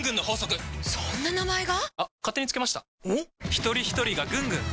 ひとりひとりがぐんぐん！